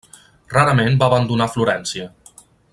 Rarament va abandonar Florència.